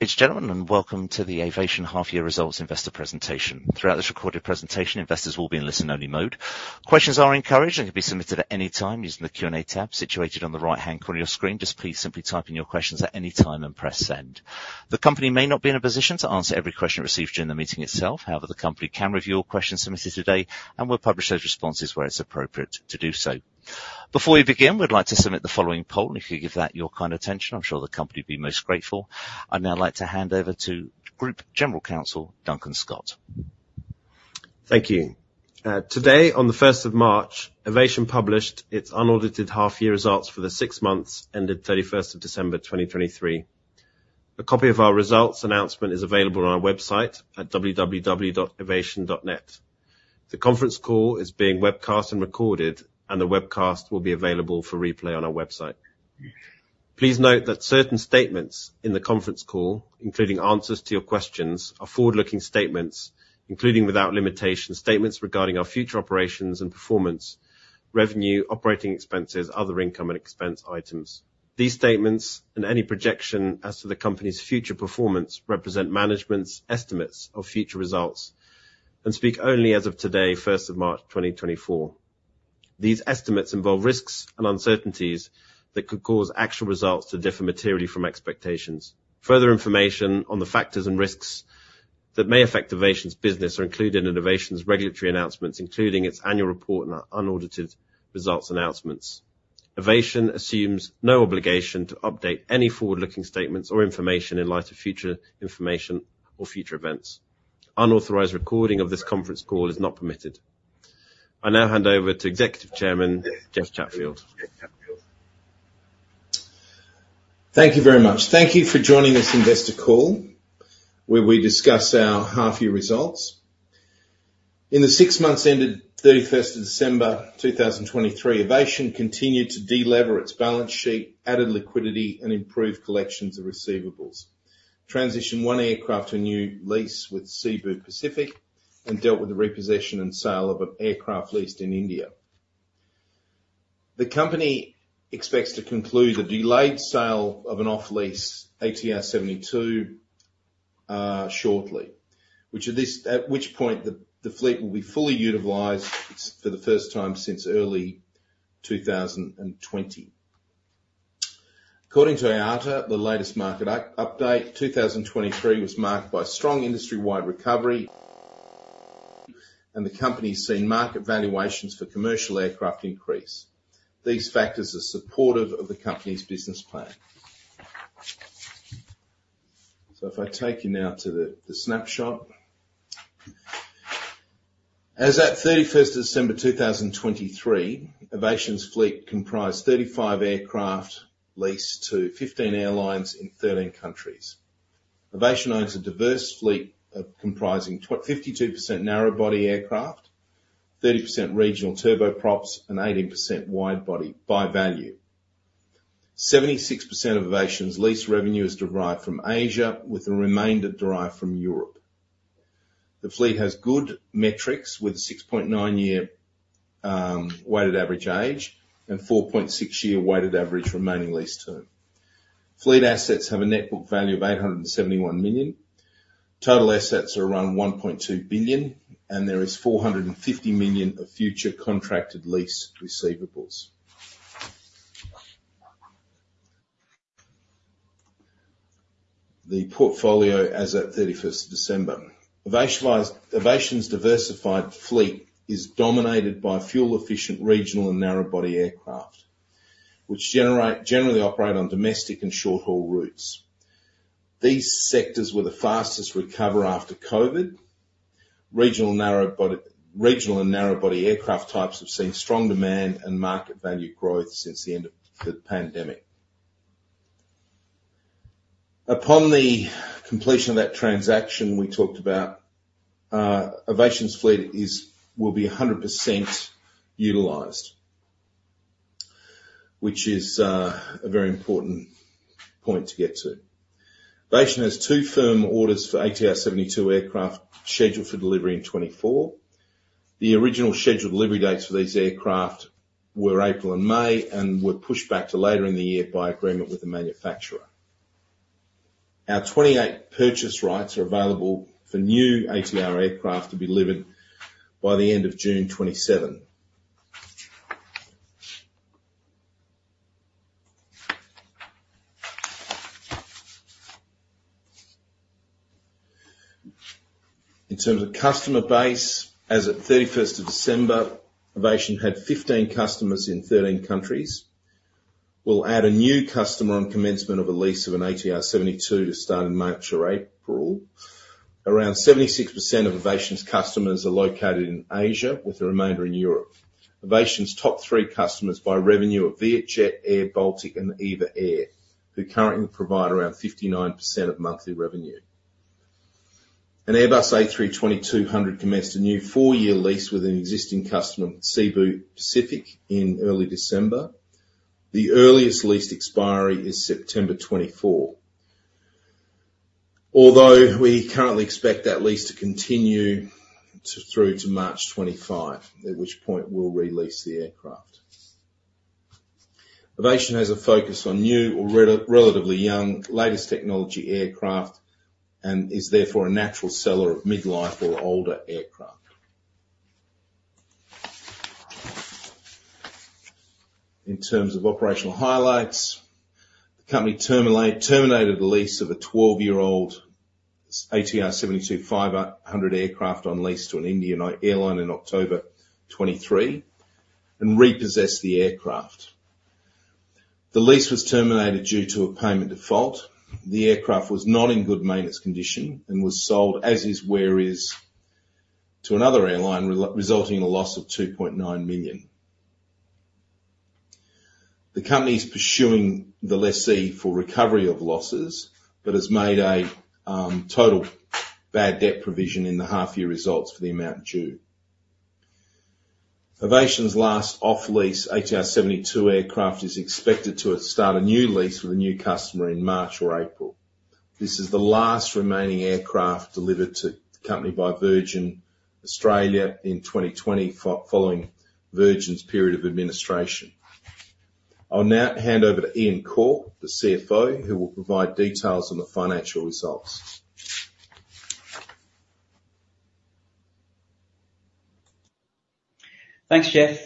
Ladies and gentlemen, welcome to the Avation Half-Year Results Investor presentation. Throughout this recorded presentation, investors will be in listen-only mode. Questions are encouraged and can be submitted at any time using the Q&A tab situated on the right-hand corner of your screen. Just please simply type in your questions at any time and press send. The company may not be in a position to answer every question received during the meeting itself. However, the company can review all questions submitted today, and we'll publish those responses where it's appropriate to do so. Before we begin, we'd like to submit the following poll, and if you could give that your kind of attention, I'm sure the company would be most grateful. I'd now like to hand over to Group General Counsel, Duncan Scott. Thank you. Today, on the 1st of March, Avation published its unaudited half-year results for the six months ended 31st of December, 2023. A copy of our results announcement is available on our website at www.avation.net. The conference call is being webcast and recorded, and the webcast will be available for replay on our website. Please note that certain statements in the conference call, including answers to your questions, are forward-looking statements, including without limitation statements regarding our future operations and performance, revenue, operating expenses, other income and expense items. These statements and any projection as to the company's future performance represent management's estimates of future results and speak only as of today, 1st of March, 2024. These estimates involve risks and uncertainties that could cause actual results to differ materially from expectations. Further information on the factors and risks that may affect Avation's business are included in Avation's regulatory announcements, including its annual report and unaudited results announcements. Avation assumes no obligation to update any forward-looking statements or information in light of future information or future events. Unauthorized recording of this conference call is not permitted. I now hand over to Executive Chairman Jeff Chatfield. Thank you very much. Thank you for joining this investor call, where we discuss our half-year results. In the six months ended 31st of December, 2023, Avation continued to delever its balance sheet, added liquidity, and improved collections of receivables, transitioned one aircraft to a new lease with Cebu Pacific, and dealt with the repossession and sale of an aircraft leased in India. The company expects to conclude the delayed sale of an off-lease ATR 72, shortly, which point the fleet will be fully utilized for the first time since early 2020. According to IATA, the latest market update, 2023, was marked by strong industry-wide recovery, and the company has seen market valuations for commercial aircraft increase. These factors are supportive of the company's business plan. So if I take you now to the snapshot. As at 31st of December, 2023, Avation's fleet comprised 35 aircraft leased to 15 airlines in 13 countries. Avation owns a diverse fleet of comprising 52% narrow-body aircraft, 30% regional turboprops, and 18% widebody by value. 76% of Avation's lease revenue is derived from Asia, with the remainder derived from Europe. The fleet has good metrics with a 6.9-year weighted average age and 4.6-year weighted average remaining lease term. Fleet assets have a net book value of $871 million. Total assets are around $1.2 billion, and there is $450 million of future contracted lease receivables. The portfolio as at 31st of December. Avation's diversified fleet is dominated by fuel-efficient regional and narrow-body aircraft, which generally operate on domestic and short-haul routes. These sectors were the fastest to recover after COVID. Regional narrow-body regional and narrow-body aircraft types have seen strong demand and market value growth since the end of the pandemic. Upon the completion of that transaction, we talked about, Avation's fleet will be 100% utilized, which is, a very important point to get to. Avation has 2 firm orders for ATR 72 aircraft scheduled for delivery in 2024. The original scheduled delivery dates for these aircraft were April and May and were pushed back to later in the year by agreement with the manufacturer. Our 28 purchase rights are available for new ATR aircraft to be delivered by the end of June 2027. In terms of customer base, as at 31st of December, Avation had 15 customers in 13 countries. We'll add a new customer on commencement of a lease of an ATR 72 to start in March or April. Around 76% of Avation's customers are located in Asia, with the remainder in Europe. Avation's top three customers by revenue are VietJet, airBaltic, and EVA Air, who currently provide around 59% of monthly revenue. An Airbus A320-200 commenced a new four-year lease with an existing customer, Cebu Pacific, in early December. The earliest lease expiry is September 2024, although we currently expect that lease to continue through to March 2025, at which point we'll release the aircraft. Avation has a focus on new or relatively young, latest technology aircraft and is therefore a natural seller of midlife or older aircraft. In terms of operational highlights, the company terminated the lease of a 12-year-old ATR 72-500 aircraft on lease to an Indian airline in October 2023 and repossessed the aircraft. The lease was terminated due to a payment default. The aircraft was not in good maintenance condition and was sold as-is, where-is to another airline, resulting in a loss of $2.9 million. The company is pursuing the lessee for recovery of losses but has made a total bad debt provision in the half-year results for the amount due. Avation's last off-lease ATR 72 aircraft is expected to start a new lease with a new customer in March or April. This is the last remaining aircraft delivered to the company by Virgin Australia in 2020 following Virgin's period of administration. I'll now hand over to Iain Cawte, the CFO, who will provide details on the financial results. Thanks, Jeff.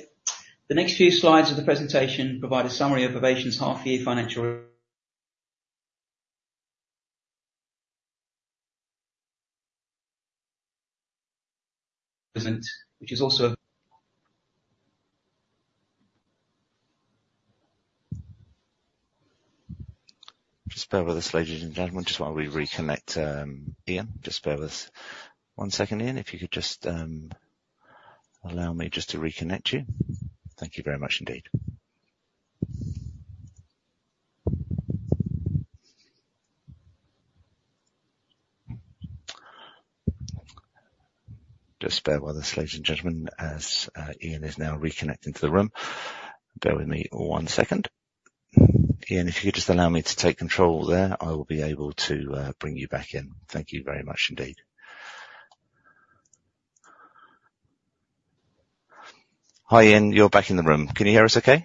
The next few slides of the presentation provide a summary of Avation's half-year financial presentation, which is also a. Just bear with us, ladies and gentlemen. Just while we reconnect. Iain, just bear with us one second. Iain, if you could just allow me just to reconnect you. Thank you very much indeed. Just bear with us, ladies and gentlemen, as Iain is now reconnecting to the room. Bear with me one second. Iain, if you could just allow me to take control there, I will be able to bring you back in. Thank you very much indeed. Hi, Iain? You're back in the room. Can you hear us okay?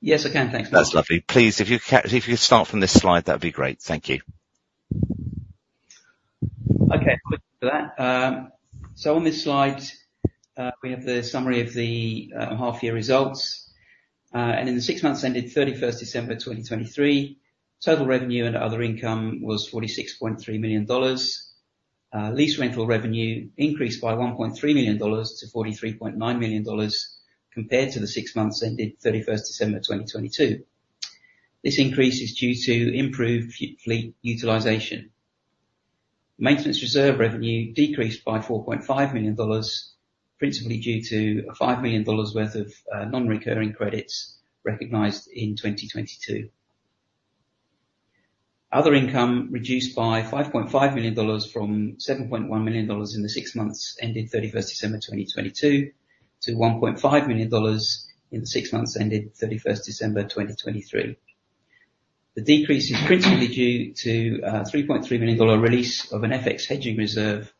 Yes, I can. Thanks. That's lovely. Please, if you could start from this slide, that would be great. Thank you. Okay. Quick for that. So on this slide, we have the summary of the half-year results. And in the six months ended 31st December, 2023, total revenue and other income was $46.3 million. Lease rental revenue increased by $1.3 million-$43.9 million compared to the six months ended 31st December, 2022. This increase is due to improved fleet utilization. Maintenance reserve revenue decreased by $4.5 million, principally due to $5 million worth of non-recurring credits recognized in 2022. Other income reduced by $5.5 million from $7.1 million in the six months ended 31st December, 2022, to $1.5 million in the six months ended 31st December, 2023. The decrease is principally due to $3.3 million release of an FX hedging reserve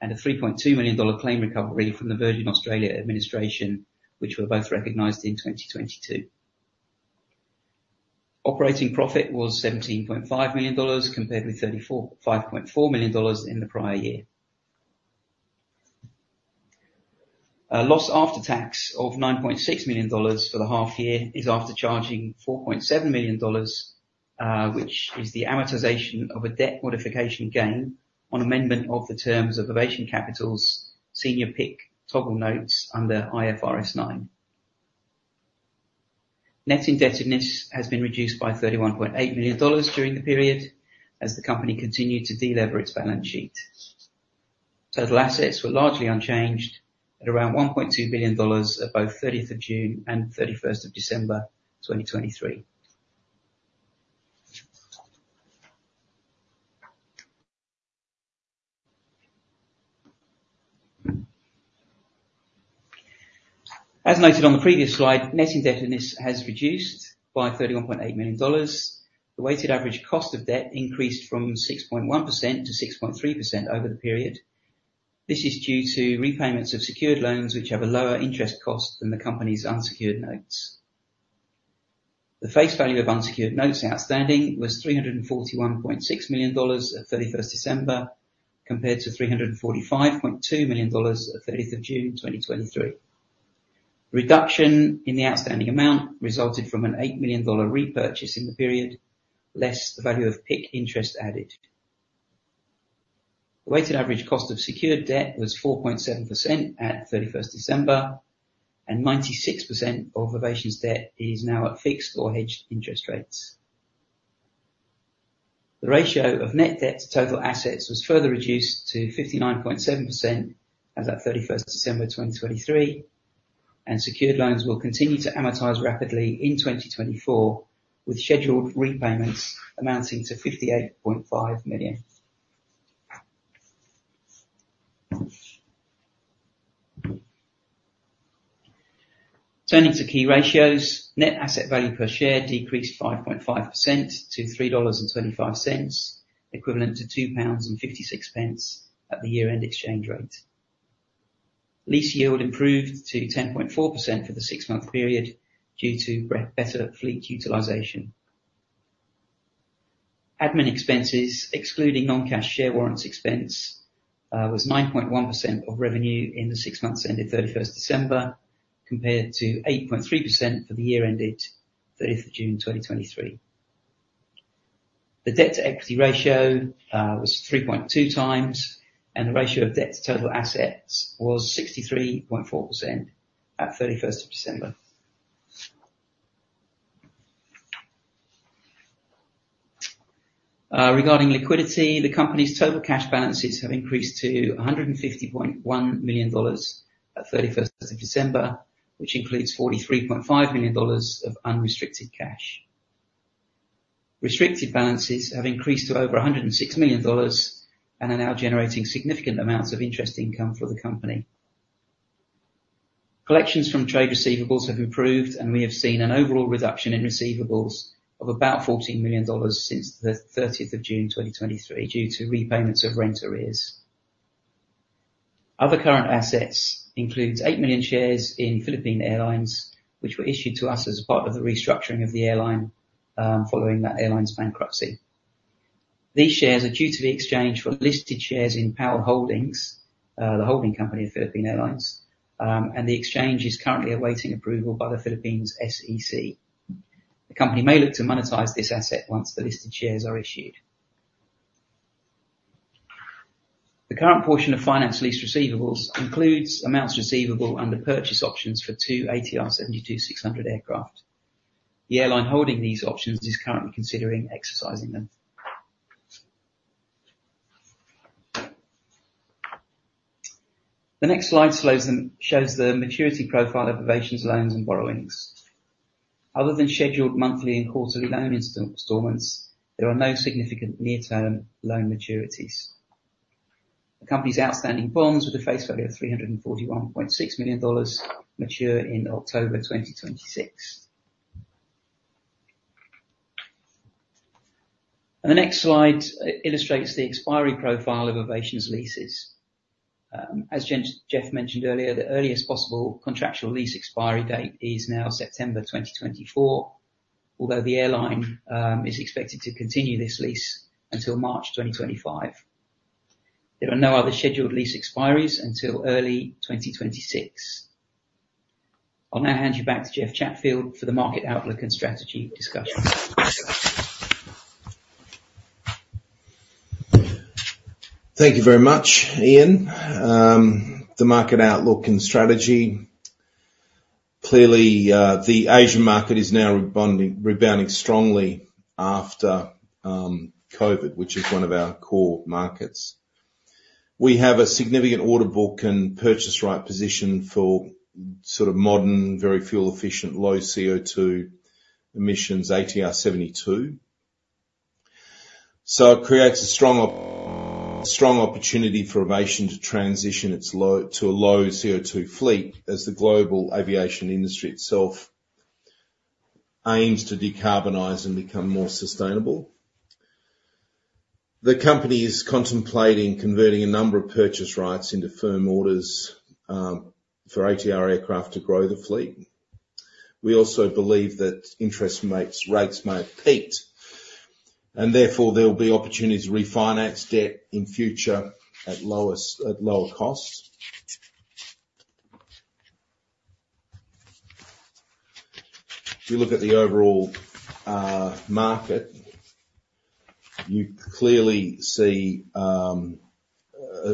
and a $3.2 million claim recovery from the Virgin Australia administration, which were both recognized in 2022. Operating profit was $17.5 million compared with $34.5 million in the prior year. Loss after tax of $9.6 million for the half-year is after charging $4.7 million, which is the amortization of a debt modification gain on amendment of the terms of Avation's senior PIK toggle notes under IFRS 9. Net indebtedness has been reduced by $31.8 million during the period as the company continued to delever its balance sheet. Total assets were largely unchanged at around $1.2 billion as of both 30th of June and 31st of December, 2023. As noted on the previous slide, net indebtedness has reduced by $31.8 million. The weighted average cost of debt increased from 6.1%-6.3% over the period. This is due to repayments of secured loans, which have a lower interest cost than the company's unsecured notes. The face value of unsecured notes outstanding was $341.6 million as of 31st December compared to $345.2 million as of 30th June 2023. Reduction in the outstanding amount resulted from an $8 million repurchase in the period, less the value of PIK interest added. The weighted average cost of secured debt was 4.7% at 31st December, and 96% of Avation's debt is now at fixed or hedged interest rates. The ratio of net debt to total assets was further reduced to 59.7% as at 31st December 2023, and secured loans will continue to amortize rapidly in 2024 with scheduled repayments amounting to $58.5 million. Turning to key ratios, net asset value per share decreased 5.5% to $3.25, equivalent to 2.56 pounds at the year-end exchange rate. Lease yield improved to 10.4% for the six-month period due to better fleet utilization. Admin expenses, excluding non-cash share warrants expense, was 9.1% of revenue in the six months ended 31st December compared to 8.3% for the year-ended 30th of June, 2023. The debt to equity ratio was 3.2 times, and the ratio of debt to total assets was 63.4% at 31st of December. Regarding liquidity, the company's total cash balances have increased to $150.1 million at 31st of December, which includes $43.5 million of unrestricted cash. Restricted balances have increased to over $106 million and are now generating significant amounts of interest income for the company. Collections from trade receivables have improved, and we have seen an overall reduction in receivables of about $14 million since the 30th of June, 2023, due to repayments of rent arrears. Other current assets include eight million shares in Philippine Airlines, which were issued to us as part of the restructuring of the airline, following that airline's bankruptcy. These shares are due to be exchanged for listed shares in PAL Holdings, the holding company of Philippine Airlines, and the exchange is currently awaiting approval by the Philippines' SEC. The company may look to monetize this asset once the listed shares are issued. The current portion of finance lease receivables includes amounts receivable under purchase options for two ATR 72-600 aircraft. The airline holding these options is currently considering exercising them. The next slide shows the maturity profile of Avation's loans and borrowings. Other than scheduled monthly and quarterly loan instalments, there are no significant near-term loan maturities. The company's outstanding bonds with a face value of $341.6 million mature in October 2026. The next slide illustrates the expiry profile of Avation's leases. As Jeff mentioned earlier, the earliest possible contractual lease expiry date is now September 2024, although the airline is expected to continue this lease until March 2025. There are no other scheduled lease expiries until early 2026. I'll now hand you back to Jeff Chatfield for the market outlook and strategy discussion. Thank you very much, Iain, for the market outlook and strategy. Clearly, the Asian market is now rebounding strongly after COVID, which is one of our core markets. We have a significant order book and purchase right position for sort of modern, very fuel-efficient, low CO2 emissions ATR 72. So it creates a strong opportunity for Avation to transition its fleet to a low CO2 fleet as the global aviation industry itself aims to decarbonize and become more sustainable. The company is contemplating converting a number of purchase rights into firm orders for ATR aircraft to grow the fleet. We also believe that interest rates may have peaked, and therefore, there'll be opportunities to refinance debt in future at lower cost. If you look at the overall market, you clearly see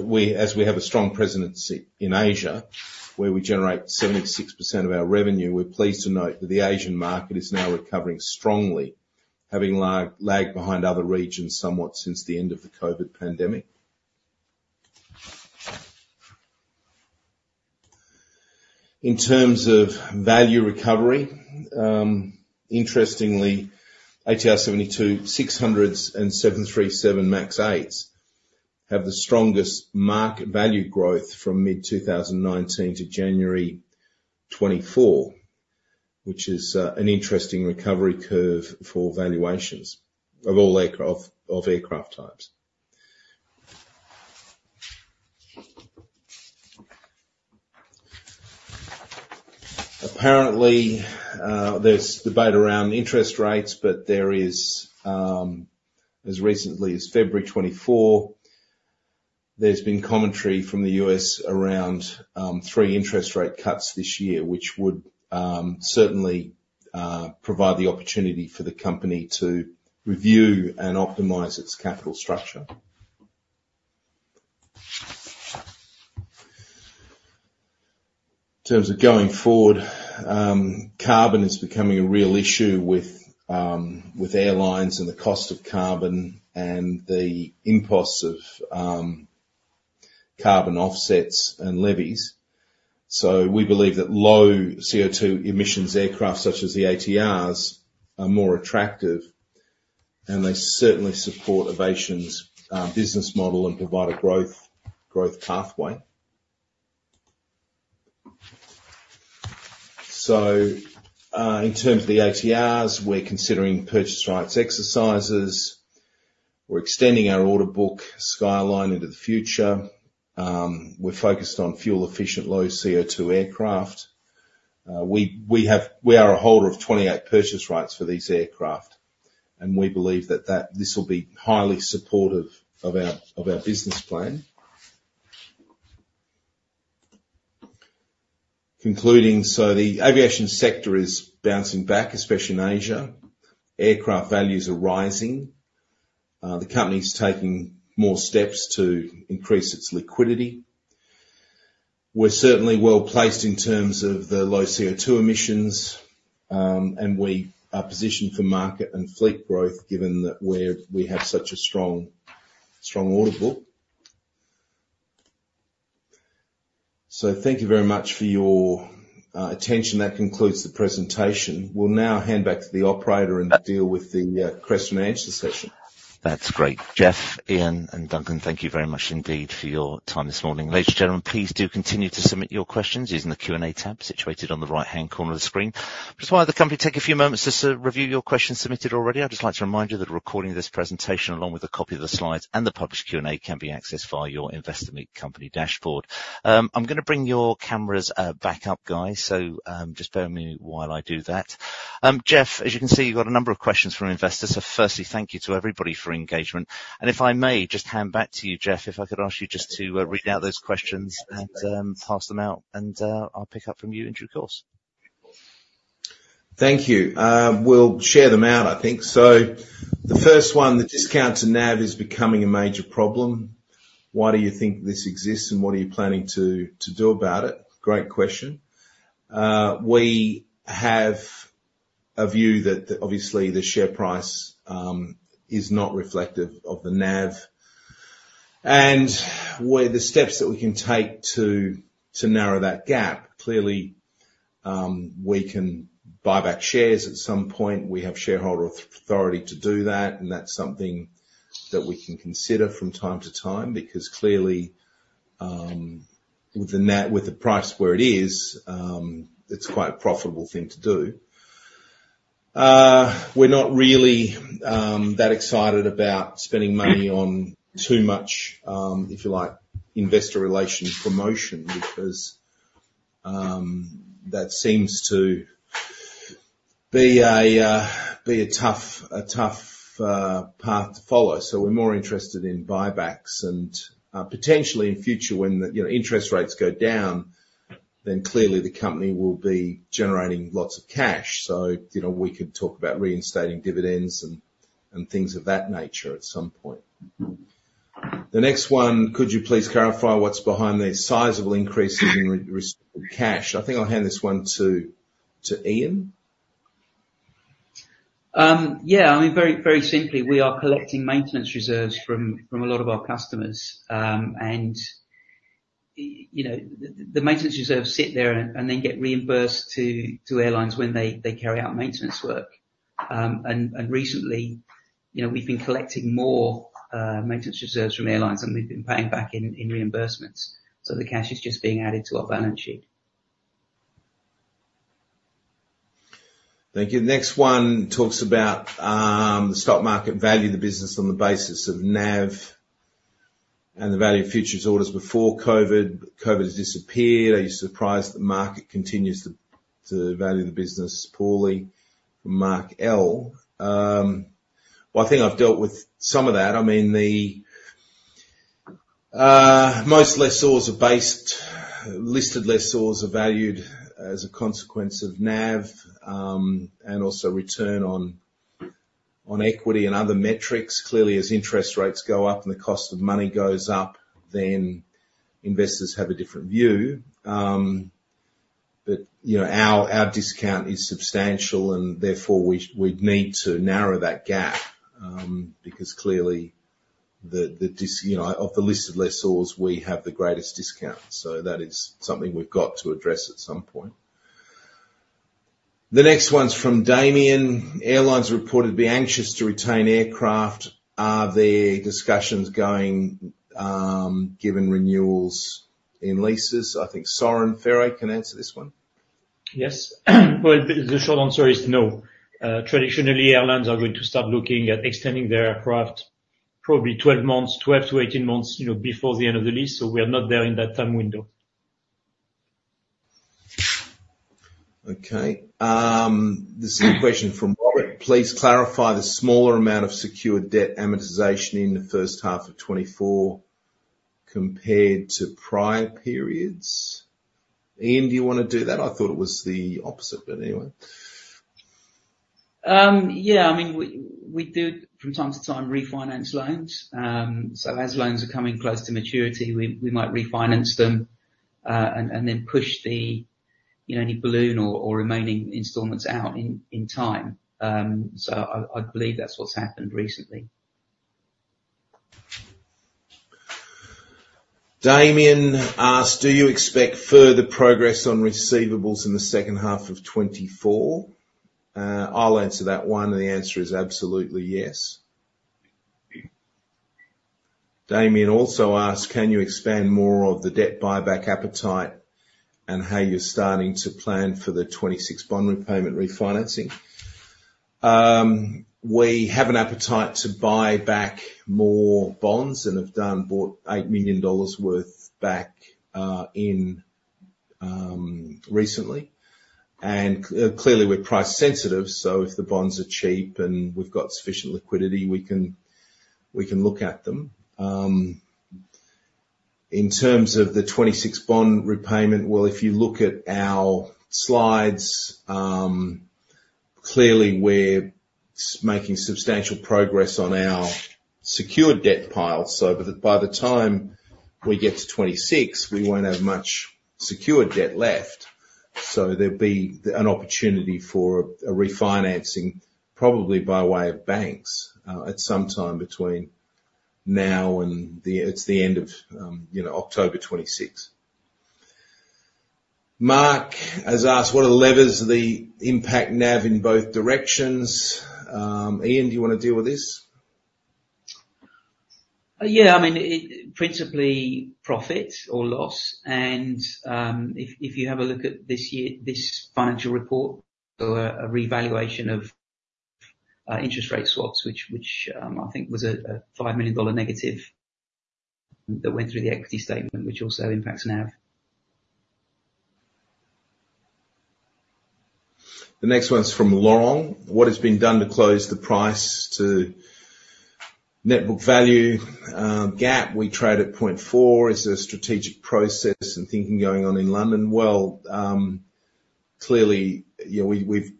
we, as we have a strong presence in Asia, where we generate 76% of our revenue, we're pleased to note that the Asian market is now recovering strongly, having lagged behind other regions somewhat since the end of the COVID pandemic. In terms of value recovery, interestingly, ATR 72-600s and 737 MAX 8s have the strongest market value growth from mid-2019 to January 2024, which is an interesting recovery curve for valuations of all aircraft types. Apparently, there's debate around interest rates, but as recently as February 2024, there's been commentary from the U.S. around three interest rate cuts this year, which would certainly provide the opportunity for the company to review and optimize its capital structure. In terms of going forward, carbon is becoming a real issue with airlines and the cost of carbon and the imposts of carbon offsets and levies. So we believe that low CO2 emissions aircraft such as the ATRs are more attractive, and they certainly support Avation's business model and provide a growth pathway. So, in terms of the ATRs, we're considering purchase rights exercises. We're extending our order book skyline into the future. We're focused on fuel-efficient, low CO2 aircraft. We are a holder of 28 purchase rights for these aircraft, and we believe that this will be highly supportive of our business plan. Concluding, so the aviation sector is bouncing back, especially in Asia. Aircraft values are rising. The company's taking more steps to increase its liquidity. We're certainly well-placed in terms of the low CO2 emissions, and we are positioned for market and fleet growth given that we have such a strong, strong order book. So thank you very much for your attention. That concludes the presentation. We'll now hand back to the operator and deal with the question and answer session. That's great. Jeff, Iain and Duncan, thank you very much indeed for your time this morning. Ladies and gentlemen, please do continue to submit your questions using the Q&A tab situated on the right-hand corner of the screen. I just wanted the company to take a few moments just to review your questions submitted already. I'd just like to remind you that recording of this presentation, along with a copy of the slides and the published Q&A, can be accessed via your Investor Meet Company dashboard. I'm gonna bring your cameras back up, guys, so just bear with me while I do that. Jeff, as you can see, you've got a number of questions from investors. Firstly, thank you to everybody for engagement. If I may, just hand back to you, Jeff, if I could ask you just to read out those questions and pass them out, and I'll pick up from you in due course. Thank you. We'll share them out, I think. So the first one, the discount to NAV is becoming a major problem. Why do you think this exists, and what are you planning to do about it? Great question. We have a view that, obviously, the share price is not reflective of the NAV. And we're taking the steps that we can take to narrow that gap. Clearly, we can buy back shares at some point. We have shareholder authority to do that, and that's something that we can consider from time to time because clearly, with the NAV with the price where it is, it's quite a profitable thing to do. We're not really that excited about spending money on too much, if you like, investor relations promotion because that seems to be a tough path to follow. So we're more interested in buybacks and, potentially in future when the, you know, interest rates go down, then clearly, the company will be generating lots of cash. So, you know, we could talk about reinstating dividends and, and things of that nature at some point. The next one, could you please clarify what's behind these sizable increases in restricted cash? I think I'll hand this one to Iain? Yeah. I mean, very, very simply, we are collecting maintenance reserves from a lot of our customers. You know, the maintenance reserves sit there and then get reimbursed to airlines when they carry out maintenance work. And recently, you know, we've been collecting more maintenance reserves from airlines, and we've been paying back in reimbursements. So the cash is just being added to our balance sheet. Thank you. The next one talks about the stock market value of the business on the basis of NAV and the value of futures orders before COVID. COVID has disappeared. Are you surprised the market continues to value the business poorly? From Mark L. Well, I think I've dealt with some of that. I mean, the most listed lessors are valued as a consequence of NAV, and also return on equity and other metrics. Clearly, as interest rates go up and the cost of money goes up, then investors have a different view. But you know, our discount is substantial, and therefore, we'd need to narrow that gap, because clearly, the discount you know, of the listed lessors, we have the greatest discount. So that is something we've got to address at some point. The next one's from Damian. Airlines reported to be anxious to retain aircraft. Are there discussions going, given renewals in leases? I think Soeren Ferre can answer this one. Yes. Well, the short answer is no. Traditionally, airlines are going to start looking at extending their aircraft probably 12 months, 12-18 months, you know, before the end of the lease. So we are not there in that time window. Okay. This is a question from Robert. Please clarify the smaller amount of secured debt amortization in the first half of 2024 compared to prior periods. Iain, do you wanna do that? I thought it was the opposite, but anyway. Yeah. I mean, we do from time to time refinance loans. So as loans are coming close to maturity, we might refinance them, and then push the, you know, any balloon or remaining installments out in time. So I believe that's what's happened recently. Damian asked, do you expect further progress on receivables in the second half of 2024? I'll answer that one, and the answer is absolutely yes. Damian also asked, can you expand more of the debt buyback appetite and how you're starting to plan for the 2026 bond repayment refinancing? We have an appetite to buy back more bonds and have done bought $8 million worth back, recently. And clearly, we're price sensitive. So if the bonds are cheap and we've got sufficient liquidity, we can we can look at them. In terms of the 2026 bond repayment, well, if you look at our slides, clearly, we're making substantial progress on our secured debt pile. So by the by the time we get to 2026, we won't have much secured debt left. So there'll be an opportunity for a refinancing probably by way of banks, at some time between now and the it's the end of, you know, October 2026. Mark has asked, what are the levers of the impact NAV in both directions? Iain, do you wanna deal with this? Yeah. I mean, it principally profit or loss. If you have a look at this year's financial report, so a revaluation of interest rate swaps, which I think was a $5 million negative that went through the equity statement, which also impacts NAV. The next one's from Laurent. What has been done to close the price to net book value gap? We trade at 0.4. Is there a strategic process and thinking going on in London? Well, clearly, you know, we've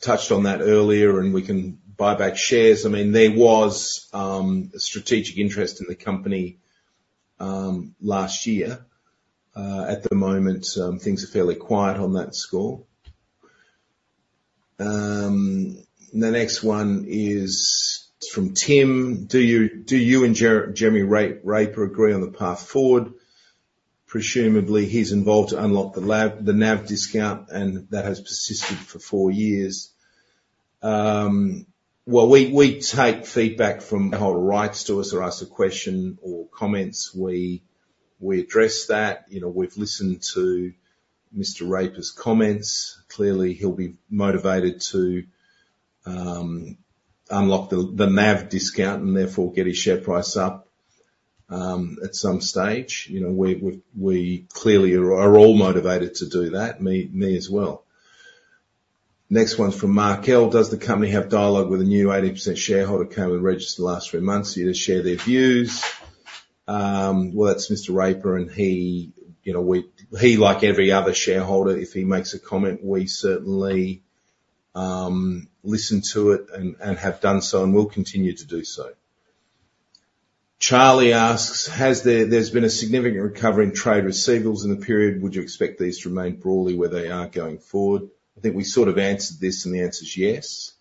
touched on that earlier, and we can buy back shares. I mean, there was a strategic interest in the company last year. At the moment, things are fairly quiet on that score. The next one is from Tim. Do you and Gerald, Jeremy Raper agree on the path forward? Presumably, he's involved to unlock the NAV discount, and that has persisted for four years. Well, we take feedback from shareholders to us or ask a question or comments; we address that. You know, we've listened to Mr. Raper's comments. Clearly, he'll be motivated to unlock the NAV discount and therefore get his share price up, at some stage. You know, we clearly are all motivated to do that. Me as well. Next one's from Mark L. Does the company have dialogue with a new 80% shareholder coming registered last three months? Yeah, they share their views. Well, that's Mr. Raper, and he, you know, like every other shareholder, if he makes a comment, we certainly listen to it and have done so, and we'll continue to do so. Charlie asks, has there been a significant recovery in trade receivables in the period? Would you expect these to remain broadly where they are going forward? I think we sort of answered this, and the answer's yes.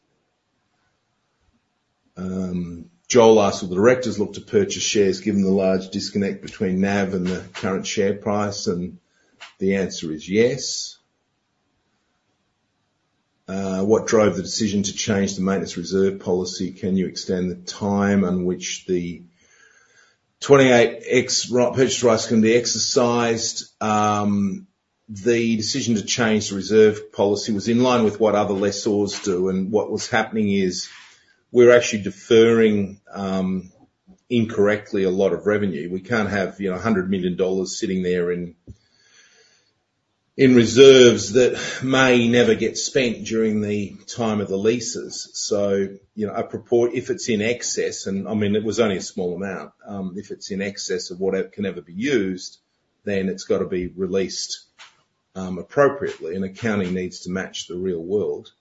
Joel asked, will the directors look to purchase shares given the large disconnect between NAV and the current share price? The answer is yes. What drove the decision to change the maintenance reserve policy? Can you extend the time on which the 28 purchase rights can be exercised? The decision to change the reserve policy was in line with what other lessors do. What was happening is we're actually deferring, incorrectly a lot of revenue. We can't have, you know, $100 million sitting there in reserves that may never get spent during the time of the leases. So, you know, a portion if it's in excess and I mean, it was only a small amount. If it's in excess of what can ever be used, then it's gotta be released, appropriately, and accounting needs to match the real world.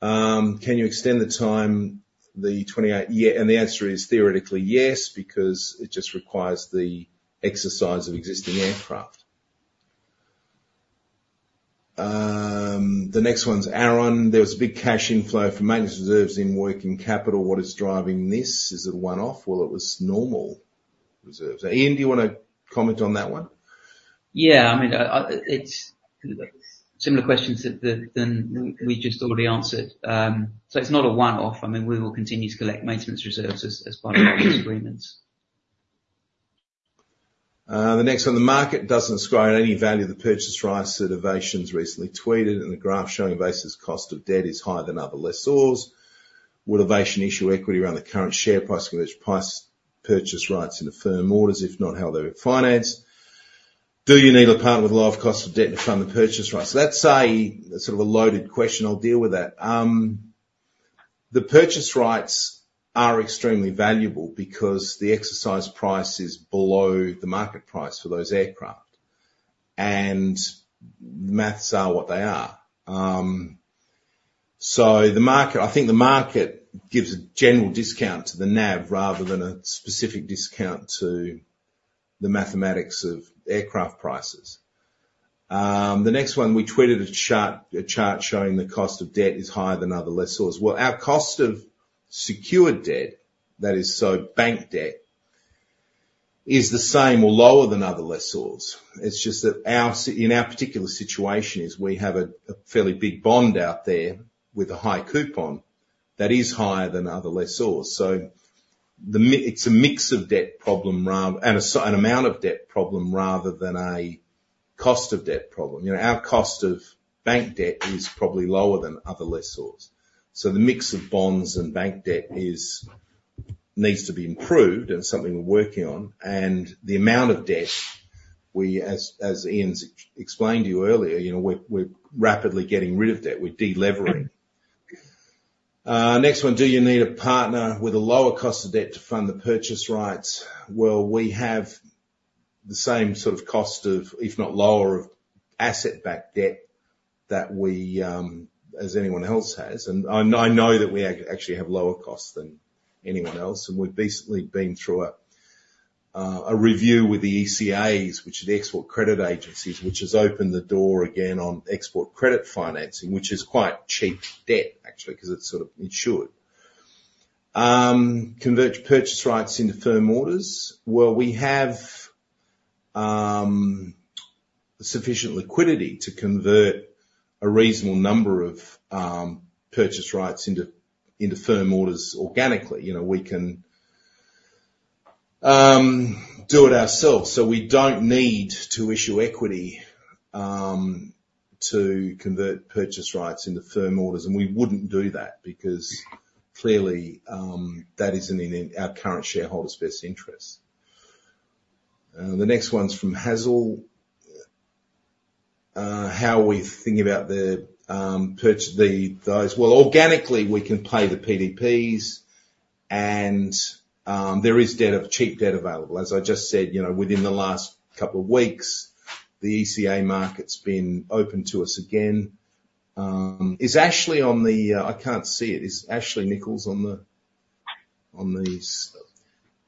Can you extend the time the 28 yeah. And the answer is theoretically yes because it just requires the exercise of existing aircraft. The next one's Aaron. There was a big cash inflow from maintenance reserves in working capital. What is driving this? Is it one-off? Well, it was normal reserves. Iain, do you wanna comment on that one? Yeah. I mean, it's similar questions that we just already answered. So it's not a one-off. I mean, we will continue to collect maintenance reserves as part of our agreements. The next one, the market doesn't score on any value of the purchase rights that Avation's recently tweeted, and the graph showing investors' cost of debt is higher than other lessors. Would Avation issue equity around the current share price converged price purchase rights into firm orders, if not how they're financed? Do you need a partner with low cost of debt to fund the purchase rights? So that's a sort of a loaded question. I'll deal with that. The purchase rights are extremely valuable because the exercise price is below the market price for those aircraft, and the math is what it is. So the market I think the market gives a general discount to the NAV rather than a specific discount to the mathematics of aircraft prices. The next one, we tweeted a chart a chart showing the cost of debt is higher than other lessors. Well, our cost of secured debt, that is, bank debt, is the same or lower than other lessors. It's just that our situation in our particular situation is we have a fairly big bond out there with a high coupon that is higher than other lessors. So it's a mix of debt problem rather than an amount of debt problem rather than a cost of debt problem. You know, our cost of bank debt is probably lower than other lessors. So the mix of bonds and bank debt needs to be improved and something we're working on. And the amount of debt, as Iain's explained to you earlier, you know, we're rapidly getting rid of debt. We're delevering. Next one, do you need a partner with a lower cost of debt to fund the purchase rights? Well, we have the same sort of cost of, if not lower, of asset-backed debt that we, as anyone else has. And I know that we actually have lower costs than anyone else. And we've basically been through a review with the ECAs, which are the export credit agencies, which has opened the door again on export credit financing, which is quite cheap debt, actually, 'cause it's sort of insured. Convert purchase rights into firm orders? Well, we have sufficient liquidity to convert a reasonable number of purchase rights into firm orders organically. You know, we can do it ourselves. So we don't need to issue equity to convert purchase rights into firm orders. And we wouldn't do that because clearly, that isn't in our current shareholders' best interest. The next one's from Hazel. How are we thinking about the purchase of those? Well, organically, we can pay the PDPs, and there is cheap debt available. As I just said, you know, within the last couple of weeks, the ECA market's been open to us again. Is Ashley on? I can't see it. Is Ashley Nicholas on?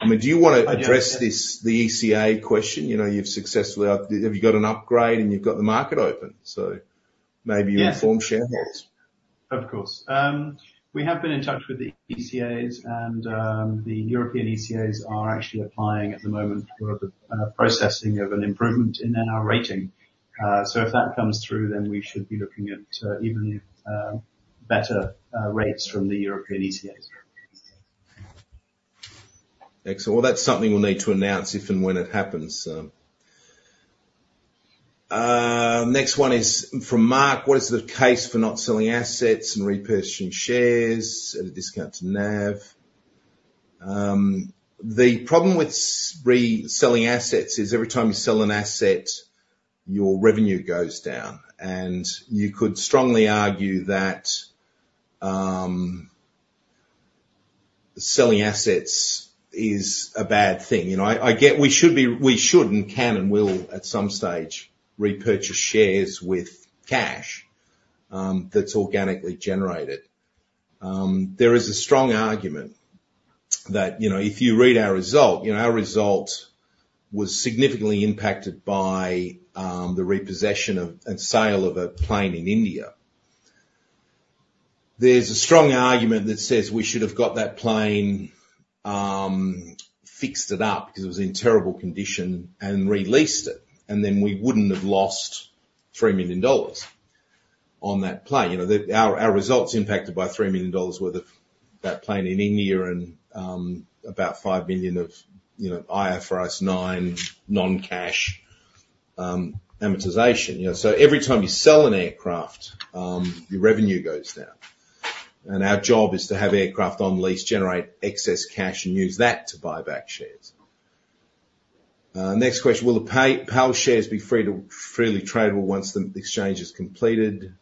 I mean, do you wanna address the ECA question? You know, you've successfully have you got an upgrade, and you've got the market open, so maybe you inform shareholders. Yes. Of course. We have been in touch with the ECAs, and the European ECAs are actually applying at the moment for the processing of an improvement in our rating. So if that comes through, then we should be looking at even better rates from the European ECAs. Excellent. Well, that's something we'll need to announce if and when it happens. Next one is from Mark. What is the case for not selling assets and repurchasing shares at a discount to NAV? The problem with reselling assets is every time you sell an asset, your revenue goes down. And you could strongly argue that selling assets is a bad thing. You know, I get we should and can and will at some stage repurchase shares with cash that's organically generated. There is a strong argument that, you know, if you read our result, you know, our result was significantly impacted by the repossession of and sale of a plane in India. There's a strong argument that says we should have got that plane, fixed it up 'cause it was in terrible condition and released it, and then we wouldn't have lost $3 million on that plane. You know, our results impacted by $3 million were that plane in India and, about $5 million of, you know, IFRS 9 non-cash amortization. You know, so every time you sell an aircraft, your revenue goes down. And our job is to have aircraft on lease, generate excess cash, and use that to buy back shares. Next question, will the PAL shares be free to freely tradable once the exchange is completed?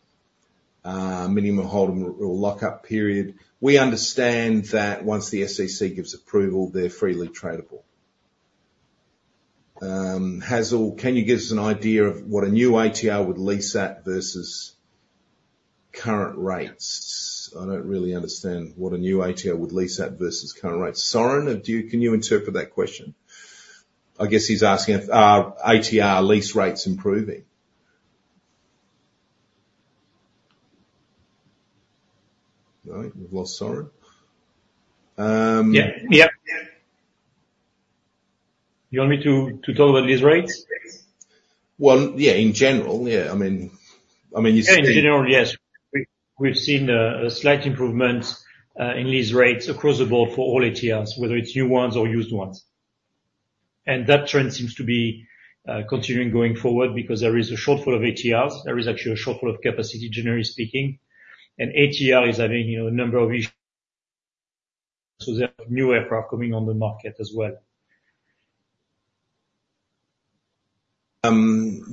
Minimum holding rule lockup period. We understand that once the SEC gives approval, they're freely tradable. Hazel, can you give us an idea of what a new ATR would lease at versus current rates? I don't really understand what a new ATR would lease at versus current rates. Soeren, do you can you interpret that question? I guess he's asking, are ATR lease rates improving? All right. We've lost Soeren. Yeah. Yeah. You want me to talk about lease rates? Well, yeah, in general. Yeah. I mean, I mean, you see. Yeah. In general, yes. We, we've seen a slight improvement in lease rates across the board for all ATRs, whether it's new ones or used ones. That trend seems to be continuing going forward because there is a shortfall of ATRs. There is actually a shortfall of capacity, generally speaking. ATR is having, you know, a number of issues. There are new aircraft coming on the market as well.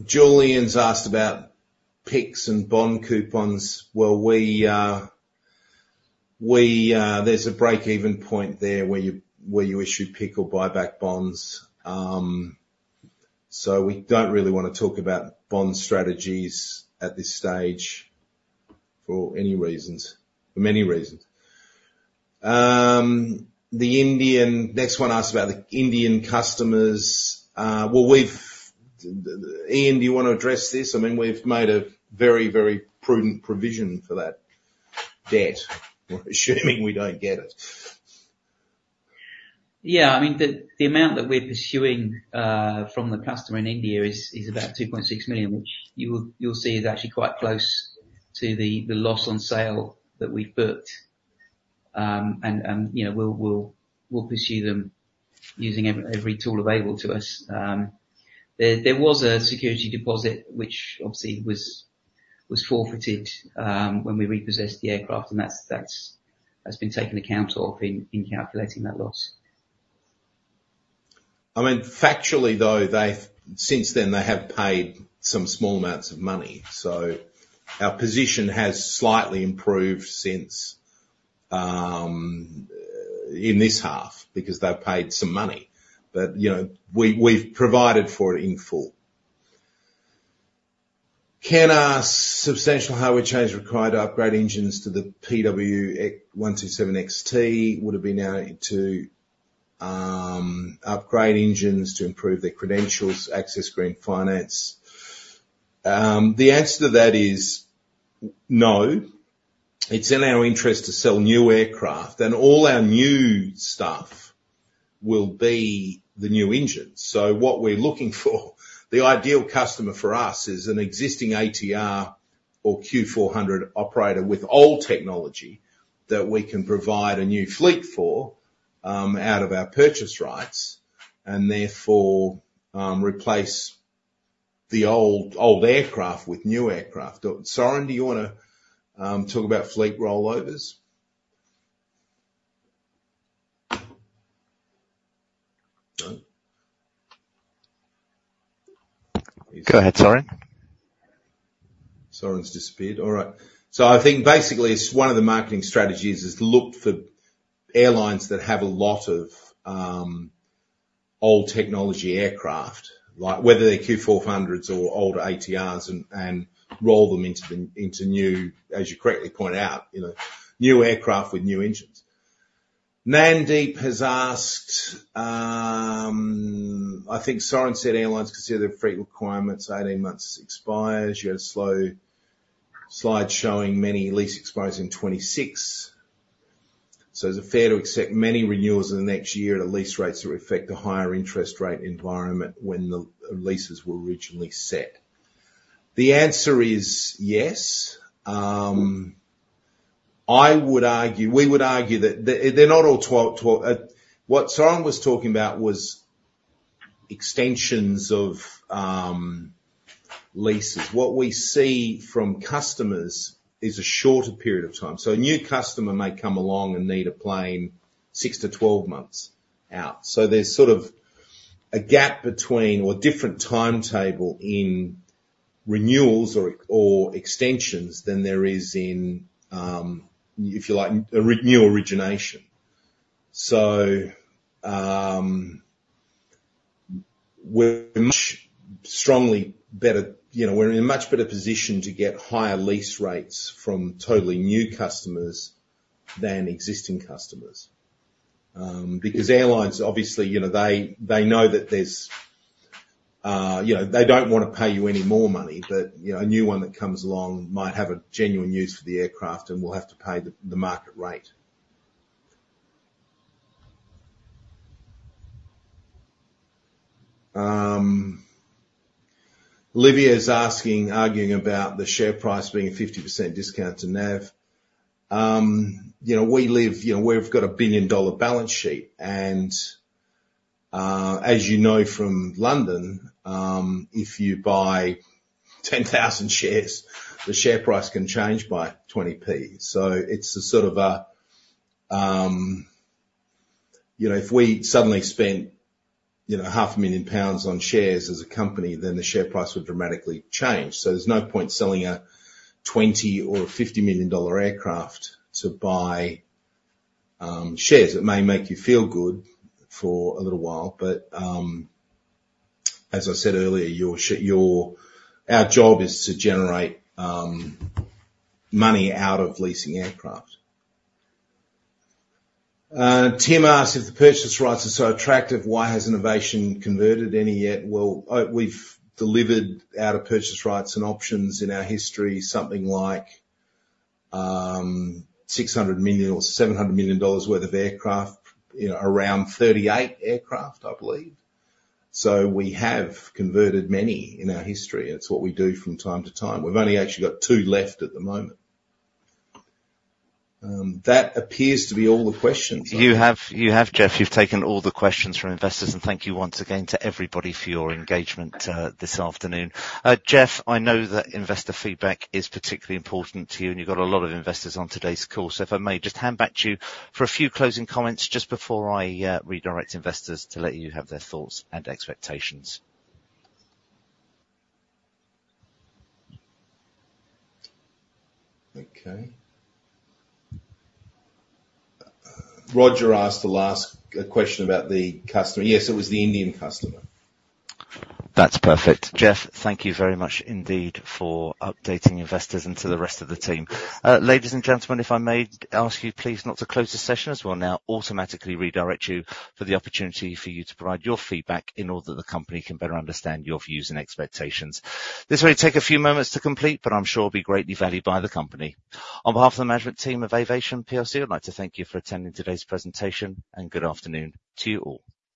Julian's asked about PIKs and bond coupons. Well, we, there's a breakeven point there where you issue PIK or buy back bonds. So we don't really wanna talk about bond strategies at this stage for many reasons. The Indian next one asked about the Indian customers. Well, we've Iain, do you wanna address this? I mean, we've made a very, very prudent provision for that debt, assuming we don't get it. Yeah. I mean, the amount that we're pursuing from the customer in India is about $2.6 million, which you will see is actually quite close to the loss on sale that we've booked. And, you know, we'll pursue them using every tool available to us. There was a security deposit, which obviously was forfeited when we repossessed the aircraft. And that's been taken account of in calculating that loss. I mean, factually, though, they've since then—they have paid some small amounts of money. So our position has slightly improved since, in this half, because they've paid some money. But, you know, we've provided for it in full. Can our substantial hardware change required to upgrade engines to the PW127XT? Would it be now to upgrade engines to improve their credentials, access green finance? The answer to that is no. It's in our interest to sell new aircraft, and all our new stuff will be the new engines. So what we're looking for, the ideal customer for us, is an existing ATR or Q400 operator with old technology that we can provide a new fleet for, out of our purchase rights and therefore replace the old, old aircraft with new aircraft. Soeren, do you wanna talk about fleet rollovers? Go ahead, Soeren. Soeren's disappeared. All right. So I think basically, it's one of the marketing strategies is look for airlines that have a lot of, old technology aircraft, like whether they're Q400s or older ATRs, and, and roll them into the into new as you correctly point out, you know, new aircraft with new engines. Nandeep has asked, I think Soeren said airlines consider their fleet requirements. 18 months expires. You had a slow slide showing many lease expires in 2026. So is it fair to accept many renewals in the next year at a lease rate that reflect a higher interest rate environment when the leases were originally set? The answer is yes. I would argue we would argue that they're not all 12, 12. What Soeren was talking about was extensions of, leases. What we see from customers is a shorter period of time. So a new customer may come along and need a plane six-12 months out. So there's sort of a gap between or different timetable in renewals or, or extensions than there is in, if you like, a renewal origination. So, we're much strongly better you know, we're in a much better position to get higher lease rates from totally new customers than existing customers, because airlines, obviously, you know, they, they know that there's, you know, they don't wanna pay you any more money, but, you know, a new one that comes along might have a genuine use for the aircraft, and we'll have to pay the, the market rate. Livia's asking arguing about the share price being a 50% discount to NAV. You know, we live you know, we've got a billion-dollar balance sheet. As you know from London, if you buy 10,000 shares, the share price can change by 20p. So it's a sort of a, you know, if we suddenly spent, you know, 500,000 pounds on shares as a company, then the share price would dramatically change. So there's no point selling a $20 million or $50 million aircraft to buy shares. It may make you feel good for a little while. But, as I said earlier, your, our job is to generate money out of leasing aircraft. Tim asked, "If the purchase rights are so attractive, why has Avation converted any yet?" Well, we've delivered out of purchase rights and options in our history something like $600 million or $700 million worth of aircraft, you know, around 38 aircraft, I believe. So we have converted many in our history. It's what we do from time to time. We've only actually got two left at the moment. That appears to be all the questions. You have, Jeff. You've taken all the questions from investors. Thank you once again to everybody for your engagement this afternoon. Jeff, I know that investor feedback is particularly important to you, and you've got a lot of investors on today's call. If I may, just hand back to you for a few closing comments just before I redirect investors to let you have their thoughts and expectations. Okay. Roger asked the last question about the customer. Yes, it was the Indian customer. That's perfect. Jeff, thank you very much indeed for updating investors and to the rest of the team. Ladies and gentlemen, if I may ask you, please, not to close the session as we'll now automatically redirect you for the opportunity for you to provide your feedback in order that the company can better understand your views and expectations. This may take a few moments to complete, but I'm sure it'll be greatly valued by the company. On behalf of the management team of Avation Plc, I'd like to thank you for attending today's presentation, and good afternoon to you all.